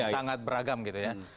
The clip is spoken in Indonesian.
sangat beragam gitu ya